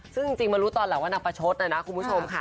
ซึ่งจริงมารู้ตอนหลังว่านางประชดนะนะคุณผู้ชมค่ะ